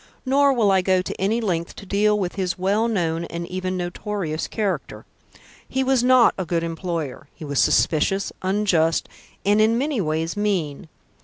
Nor will I go to any length to deal with his well known and even notorious character. He was not a good employer; he was suspicious, unjust, and in many ways mean.